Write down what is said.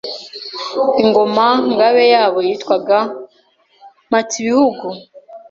Ingoma-Ngabe yabo yitwaga MPATSIBIHUGU.